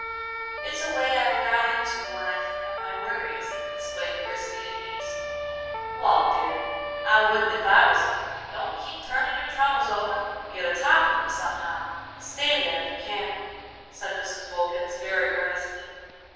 It's a way I've got into when I think of my worries," explained Christie, in haste. "Wal, dear, I wouldn't ef I was you. Don't keep turnin' your troubles over. Git atop of 'em somehow, and stay there ef you can," said Mrs. Wilkins, very earnestly.